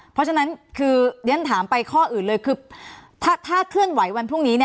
เพราะฉะนั้นคือเรียนถามไปข้ออื่นเลยคือถ้าเคลื่อนไหววันพรุ่งนี้